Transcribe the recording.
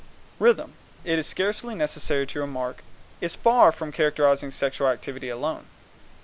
Rhythm, it is scarcely necessary to remark, is far from characterizing sexual activity alone.